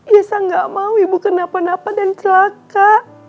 yessa gak mau ibu kenapa napa dan celaka